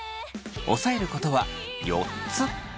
押さえることは４つ。